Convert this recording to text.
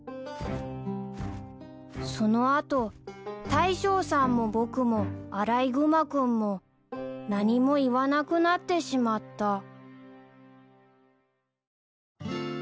［その後大将さんも僕もアライグマ君も何も言わなくなってしまった］